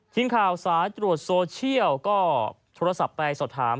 ทีมข่าวสายตรวจโซเชียลก็โทรศัพท์ไปสอบถาม